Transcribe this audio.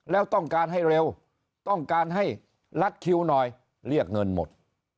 แล้วต้องการให้เร็วต้องการให้ลัดคิวหน่อยเรียกเงินหมด